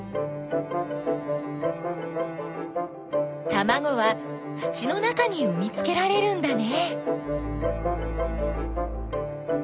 たまごは土の中にうみつけられるんだね。